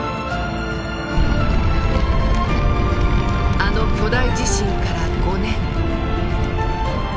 あの巨大地震から５年。